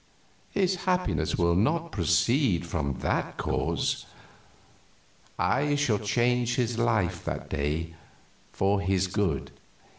"His happiness will not proceed from that cause. I shall change his life that day, for his good.